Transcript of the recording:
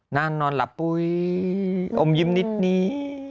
นอนหลับปุ๋ยอมยิ้มนิดนี้